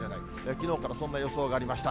きのうからそんな予想がありました。